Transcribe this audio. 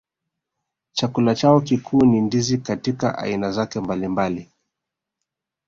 Chakula chao kikuu ni ndizi katika aina zake mbalimbali